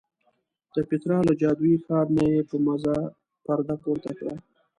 د پیترا له جادویي ښار نه یې په مزه پرده پورته کړه.